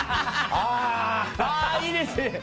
ああいいですね。